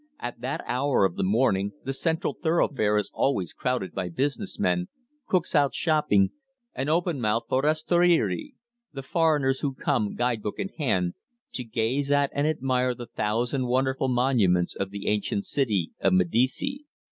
At that hour of the morning the central thoroughfare is always crowded by business men, cooks out shopping, and open mouthed forestieri the foreigners who come, guide book in hand, to gaze at and admire the thousand wonderful monuments of the ancient city of Medici.